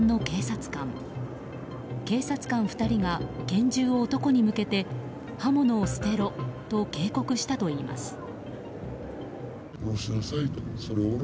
警察官２人が拳銃を男に向けて刃物を捨てろと警告したといいます。